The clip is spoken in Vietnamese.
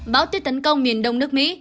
báo tuyết tấn công miền đông nước mỹ